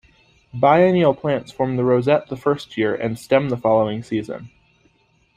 Biennial plants form the rosette the first year and the stem the following season.